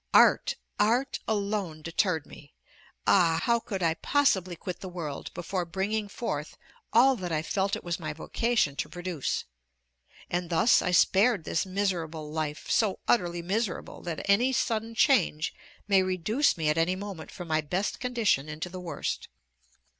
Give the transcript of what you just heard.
Art! art alone, deterred me. Ah! how could I possibly quit the world before bringing forth all that I felt it was my vocation to produce? And thus I spared this miserable life so utterly miserable that any sudden change may reduce me at any moment from my best condition into the worst.